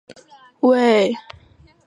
普雷佩查语中的轻重读是不同的音位。